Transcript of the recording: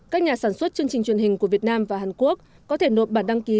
các nhà sản xuất chương trình truyền hình của việt nam và hàn quốc có thể nộp bản đăng ký